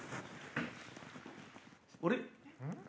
あれ？